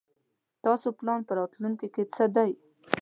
تاسو پلان په راتلوونکي کې څه دی ؟